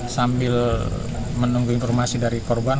sambil menunggu informasi dari korban